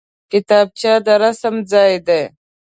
کتابچه د رسم ځای دی